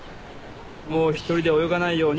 もう１人で泳がないように。